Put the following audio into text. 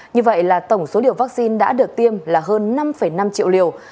như vậy là tổng số liều vaccine đã được tiêm là hơn năm năm triệu liều